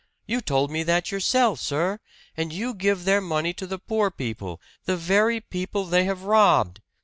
You told me that yourself, sir! And you give their money to the poor people the very people they have robbed!